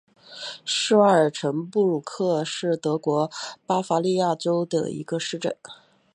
施瓦尔岑布鲁克是德国巴伐利亚州的一个市镇。